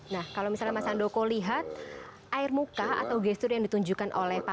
nah kalau misalnya mas andoko lihat air muka atau gestur yang ditunjukkan oleh pak